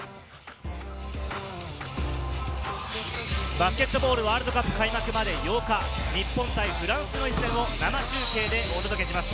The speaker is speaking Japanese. バスケットボールワールドカップ開幕まで８日、日本対フランスの一戦を生中継でお届けします。